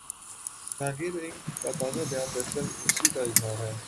جہانگیر ترین کا تازہ بیان دراصل اسی کا اظہار ہے۔